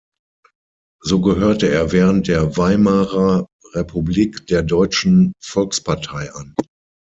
So gehörte er während der Weimarer Republik der Deutschen Volkspartei an.